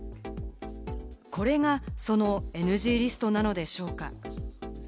これが、そのＮＧリストなのでしょうか？